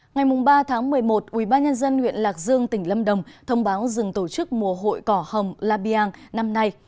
ngày ba tháng một mươi một ubnd huyện lạc dương tỉnh lâm đồng thông báo dừng tổ chức mùa hội cỏ hồng la biang năm nay